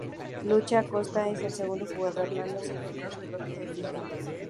Laucha Acosta es el segundo jugador de Lanús en tener su propia efigie.